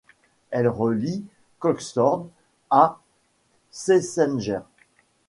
Elle relie Kocsord à Csenger.